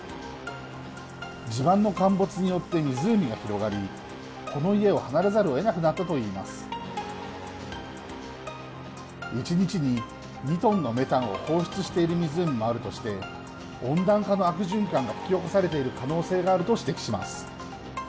地盤の陥没によって湖が広がりこの家を離れざるをえなくなったといいます一日に２トンのメタンを放出している湖もあるとして温暖化の悪循環が引き起こされている可能性があると指摘します。